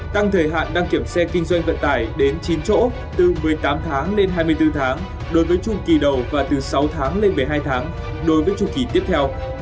tăng thời hạn đăng kiểm xe kinh doanh vận tải đến chín chỗ từ một mươi tám tháng lên hai mươi bốn tháng đối với chu kỳ đầu và từ sáu tháng lên một mươi hai tháng đối với chu kỳ tiếp theo